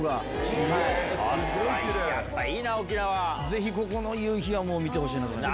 ぜひここの夕日は見てほしい。